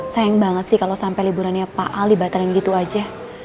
sayang banget sih kalau sampai liburannya pak ali baterin gitu aja